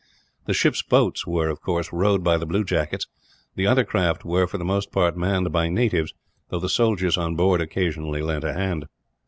The ships' boats were, of course, rowed by the blue jackets. The other craft were, for the most part, manned by natives; though the soldiers on board occasionally lent a hand.